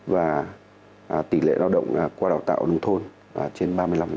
và tỷ lệ lao động qua đào tạo nông thôn trên ba mươi năm